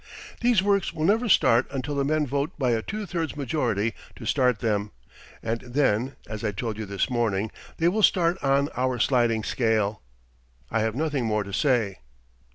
These works will never start until the men vote by a two thirds majority to start them, and then, as I told you this morning, they will start on our sliding scale. I have nothing more to say."